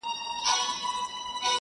o گراني ټوله شپه مي؛